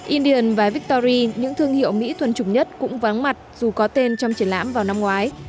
indion và victory những thương hiệu mỹ thuần trùng nhất cũng vắng mặt dù có tên trong triển lãm vào năm ngoái